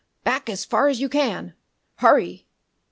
"Back as far as you can! Hurry!"